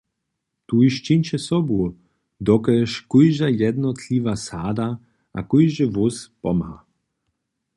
Tuž čińće sobu, dokelž kóžda jednotliwa sada a kóždy hłós pomha!